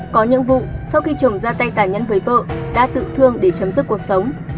có những vụ sau khi chồng ra tay tài nhân với vợ đã tự thương để chấm dứt cuộc sống